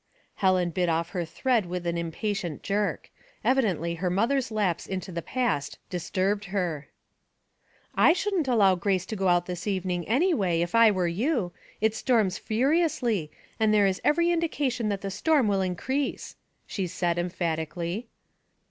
*' Helen bit off her thread with an impatient jerk. Evidently her mother's lapse into the past disturbed her. I shouldn't allow Grace to go out this evening, anyway, if I were you. It storms furiously, and there is every indication that the storm will in crease," she said, emphatically.